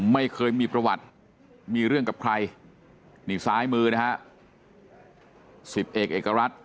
ไม่เคยมีประวัติมีเรื่องกับใครนี่ซ้ายมือนะฮะสิบเอกเอกรัฐ